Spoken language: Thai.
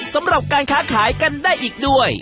สำหรับการค้าขายกันได้อีกด้วย